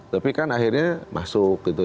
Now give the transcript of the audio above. tapi kan akhirnya masuk gitu